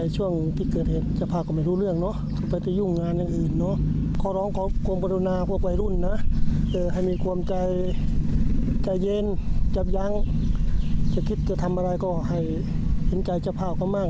ใจเย็นจับหยังจะคิดจะทำอะไรก็ให้เห็นใจเจ้าภาวก็มั่ง